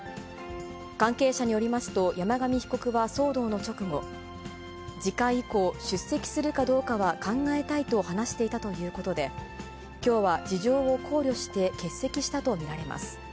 関係者によりますと、山上被告は騒動の直後、次回以降、出席するかどうかは考えたいと話していたということで、きょうは事情を考慮して欠席したと見られます。